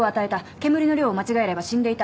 煙の量を間違えれば死んでいた。